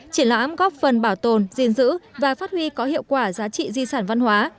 triển lãm góp phần bảo tồn gìn giữ và phát huy có hiệu quả giá trị di sản văn hóa